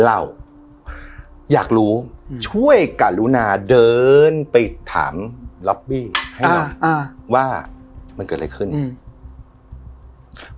อยากรู้ช่วยกรุณาเดินไปถามล็อบบี้ให้หน่อยอ่าว่ามันเกิดอะไรขึ้นอืม